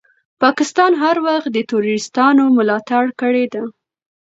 پاکستان هر وخت دي تروريستانو ملاتړ کړی ده.